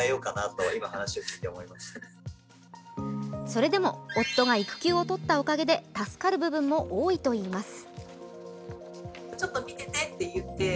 それでも、夫が育休を取ったおかげで助かる部分も多いといいます。